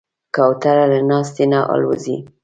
کوتره له ناستې نه الوزي.